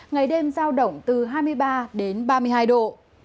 ngày đêm giao động từ hai mươi ba đến ba mươi hai độ